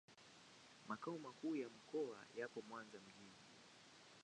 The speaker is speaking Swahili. Makao makuu ya mkoa yapo Mwanza mjini.